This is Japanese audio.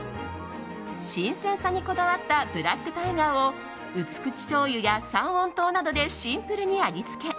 新鮮さにこだわったブラックタイガーを薄口しょうゆや三温糖などでシンプルに味付け。